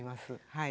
はい。